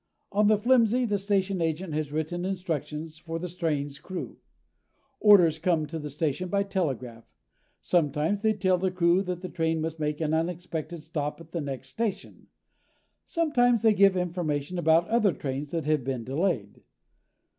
On the flimsy the station agent has written instructions for the train's crew. Orders come to the station by telegraph. Sometimes they tell the crew that the train must make an unexpected stop at the next station. Sometimes they give information about other trains that have been delayed.